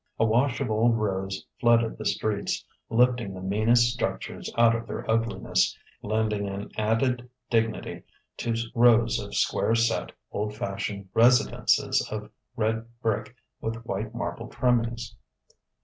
A wash of old rose flooded the streets, lifting the meanest structures out of their ugliness, lending an added dignity to rows of square set, old fashioned residences of red brick with white marble trimmings.